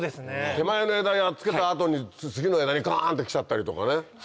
手前の枝やっつけた後に次の枝にガンってきちゃったりとかね。